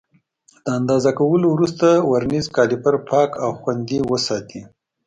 د اندازه کولو وروسته ورنیز کالیپر پاک او خوندي وساتئ.